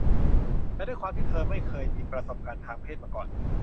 แต่ด้วยความที่เธอไม่เคยมีประสบการณ์ทางเพศมาก่อน